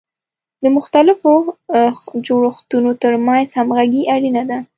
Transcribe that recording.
د مختلفو جوړښتونو ترمنځ همغږي اړینه ده.